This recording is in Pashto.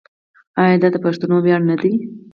آیا دا د پښتنو ویاړ نه دی؟